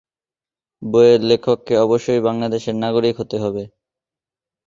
বইয়ের লেখককে অবশ্যই বাংলাদেশের নাগরিক হতে হবে।